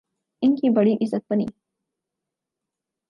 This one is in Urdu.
ان کی بڑی عزت بنی۔